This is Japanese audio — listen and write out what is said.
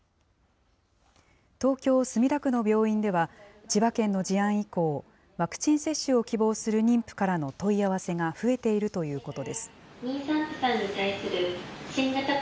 東京・墨田区の病院では、千葉県の事案以降、ワクチン接種を希望する妊婦からの問い合わせが増えているということです。